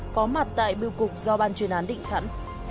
có mặt tại bưu cục do ban chuyên án định sẵn